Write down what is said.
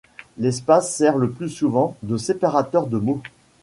L’espace sert le plus souvent de séparateur de mots.